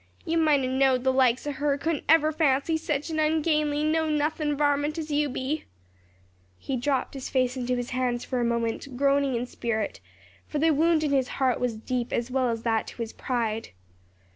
"You might 'a knowed the likes o' her couldn't never fancy sech a ungainly, know nothin' varmint as you be." He dropped his face into his hands for a moment, groaning in spirit for the wound in his heart was deep as well as that to his pride.